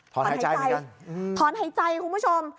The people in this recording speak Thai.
ถอนหายใจเหมือนกันอืมถอนหายใจคุณผู้ชม